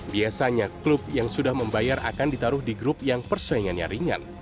biasanya klub yang sudah membayar akan ditaruh di grup yang persaingannya ringan